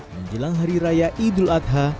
menjelang hari raya idul adha